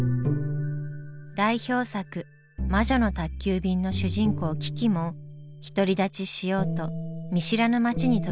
代表作「魔女の宅急便」の主人公キキも独り立ちしようと見知らぬ街に飛び込みます。